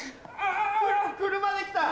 車出来た！